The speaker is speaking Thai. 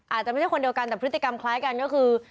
อาจจะไม่ใช่คนเดียวกันแต่พฤติกรรมคล้ายกันก็คือ